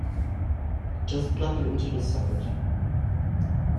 Just plug it into the socket!